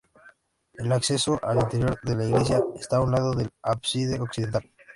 El acceso al interior de la iglesia está a un lado del ábside occidental.